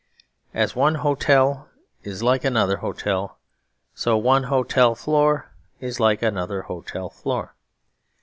As one hotel is like another hotel, so one hotel floor is like another hotel floor.